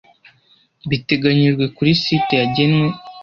biteganyijwe kuri site yagenwe